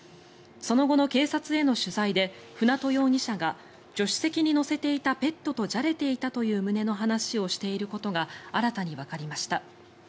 その後の警察への取材で舟渡容疑者が助手席に乗せていたペットとじゃれていたという旨の話をしていることが新たにわかりました。